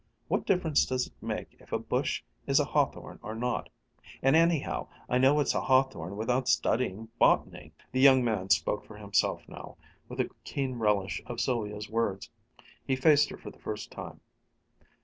What difference does it make if a bush is a hawthorn or not? and anyhow, I know it's a hawthorn without studying botany." The young man spoke for himself now, with a keen relish for Sylvia's words. He faced her for the first time.